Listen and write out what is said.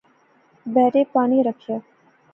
بیرے پانی رکھیا